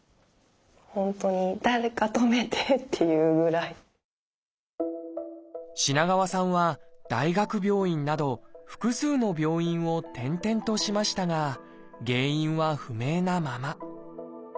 本当に品川さんは大学病院など複数の病院を転々としましたが原因は不明なまま。